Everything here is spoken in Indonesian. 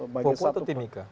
papua atau timika